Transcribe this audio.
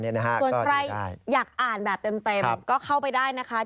ส่วนใครอยากอ่านแบบเต็มก็เข้าไปได้นะคะ